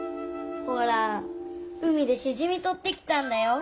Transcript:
ほら海でしじみとってきたんだよ。